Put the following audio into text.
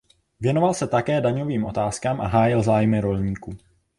Věnoval se také daňovým otázkám a hájil zájmy rolníků.